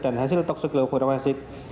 dan hasil toksikolog rensik